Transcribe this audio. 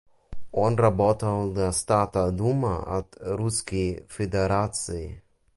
He worked for the State Duma of the Russian Federation.